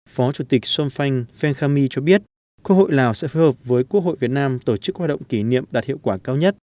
phó chủ tịch son phanh phengkhamy cho biết quốc hội lào sẽ phù hợp với quốc hội việt nam tổ chức hoạt động kỷ niệm đạt hiệu quả cao nhất